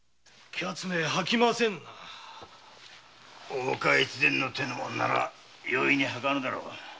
大岡の手の者なら容易には吐かぬだろう。